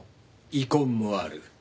遺恨もある。